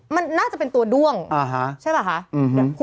มันน่าจะเป็นตัวด้วงใช่ป่ะคะ